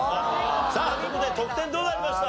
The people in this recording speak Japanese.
さあここで得点どうなりました？